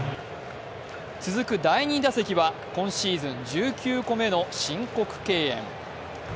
続く第２打席は今シーズン１９個目の申告敬遠。